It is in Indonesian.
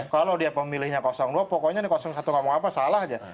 kalau dia pemilihnya dua pokoknya ini satu ngomong apa salah aja